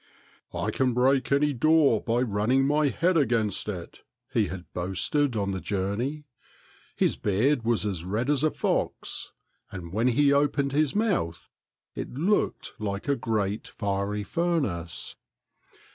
" I can break any door by running my head against it," he had boasted on the journey. His beard was as red as a fox, and when he opened his mouth, it looked like a great fiery furnace.